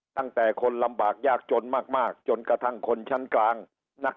ตั้งแต่คนลำบากยากจนมากจนกระทั่งคนชั้นกลาง